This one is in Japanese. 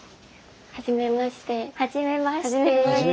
はじめまして。